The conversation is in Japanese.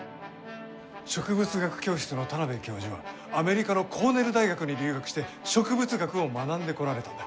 植物学教室の田邊教授はアメリカのコーネル大学に留学して植物学を学んでこられたんだ。